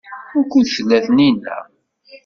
Wukud tella Taninna?